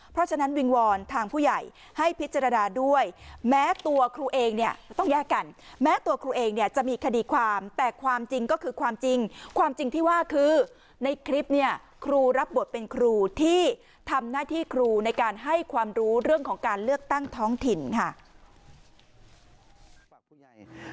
เพราะฉะนั้นวิงวอนทางผู้ใหญ่ให้พิจารณาด้วยแม้ตัวครูเองเนี่ยต้องแยกกันแม้ตัวครูเองเนี่ยจะมีคดีความแต่ความจริงก็คือความจริงความจริงที่ว่าคือในคลิปเนี่ยครูรับบทเป็นครูที่ทำหน้าที่ครูในการให้ความรู้เรื่องของการเลือกตั้งท้องถิ่นค่ะ